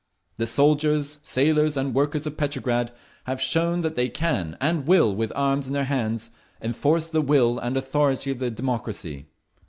The soldiers, sailors and workers of Petrograd have shown that they can and will with arms in their hands enforce the will and authority of the democracy.